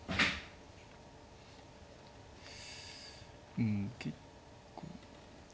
うん結構。